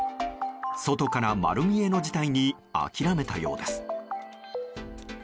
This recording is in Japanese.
外から丸見えの事態に諦めたようです。